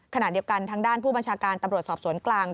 ขณะเดียวกันทางด้านผู้บัญชาการตำรวจสอบสวนกลาง